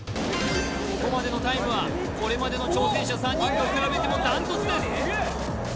ここまでのタイムはこれまでの挑戦者３人と比べてもダントツです